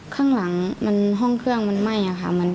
ข้างหลังห้องเครื่องมันไหม้ค่ะ